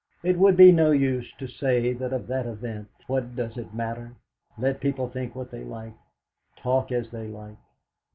It would be no use to say of that event, "What does it matter? Let people think what they like, talk as they like."